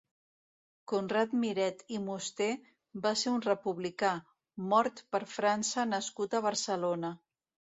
Conrad Miret i Musté va ser un republicà, Mort per França nascut a Barcelona.